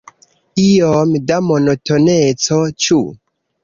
Iom da monotoneco, ĉu?